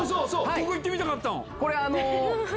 ここ行ってみたかったの！